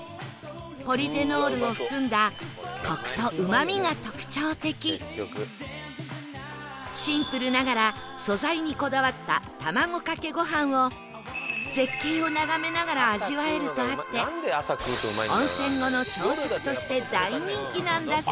ポリフェノールを含んだシンプルながら素材にこだわった卵かけご飯を絶景を眺めながら味わえるとあって温泉後の朝食として大人気なんだそう